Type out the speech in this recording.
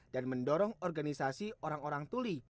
dan mendorong organisasi orang orang tuli